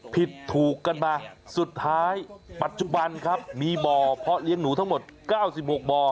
ผิดถูกกันมาสุดท้ายปัจจุบันครับมีบ่อเพาะเลี้ยงหนูทั้งหมด๙๖บ่อ